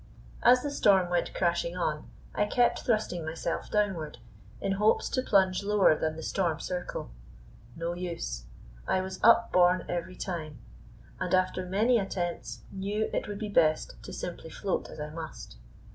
As the storm went crashing on, I kept thrusting myself downward, in hopes to plunge lower than the storm circle. No use. I was upborne every time, and after many attempts knew it would be best to simply float as I must.